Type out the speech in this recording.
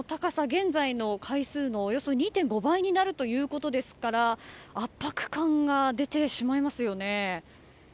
現在の階数のおよそ２．５倍になるということですから圧迫感が出てしまいますよね。